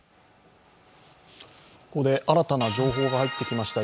ここで新たな情報が入ってきました。